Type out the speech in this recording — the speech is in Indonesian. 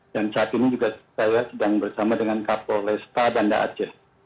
dan saat ini juga saya sedang bersama dengan kapolresta bandar aceh